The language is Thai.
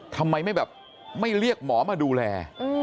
ทำไมไม่แบบไม่เรียกหมอมาดูแล